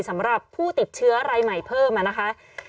สำหรับผู้ติดเชื้อรายใหม่เพิ่มนะคะ